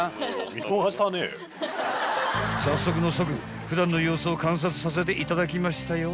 ［さっそくのそく普段の様子を観察させていただきましたよ］